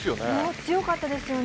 強かったですよね。